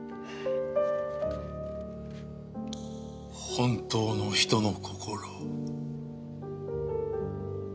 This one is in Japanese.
本当の人の心。